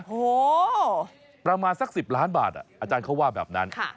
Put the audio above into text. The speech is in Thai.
โอ้โหประมาณสัก๑๐ล้านบาทอาจารย์เขาว่าแบบนั้น